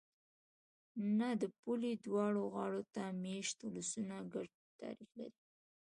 نه! د پولې دواړو غاړو ته مېشت ولسونه ګډ تاریخ لري.